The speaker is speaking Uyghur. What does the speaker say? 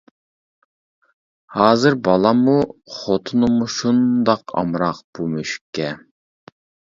ھازىر بالاممۇ، خوتۇنۇممۇ شۇنداق ئامراق بۇ مۈشۈككە.